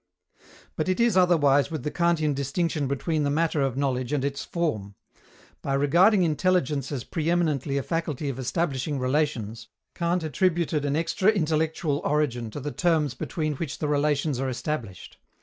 But it is otherwise with the Kantian distinction between the matter of knowledge and its form. By regarding intelligence as pre eminently a faculty of establishing relations, Kant attributed an extra intellectual origin to the terms between which the relations are established.